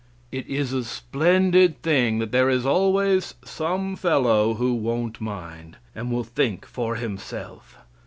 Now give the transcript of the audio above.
It is a splendid thing that there is always some fellow who won't mind, and will think for himself.